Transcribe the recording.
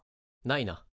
ないな。